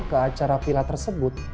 ke acara vila tersebut